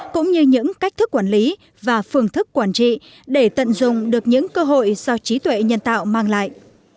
cũng như những cách thức quản lý và phương thức quản trị để tận dụng được những cơ hội do trí tuệ nhân tạo mang lại